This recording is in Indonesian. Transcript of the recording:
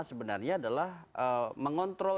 sebenarnya adalah mengontrol